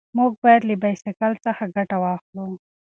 موږ باید له بایسکل څخه ګټه واخلو.